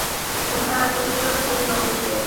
উভয় অঞ্চলের জন্য তিনি নবী ছিলেন।